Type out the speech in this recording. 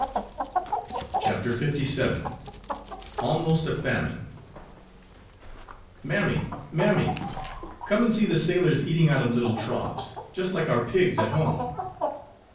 CHAPTER LVII. ALMOST A FAMINE "Mammy! mammy! come and see the sailors eating out of little troughs, just like our pigs at home."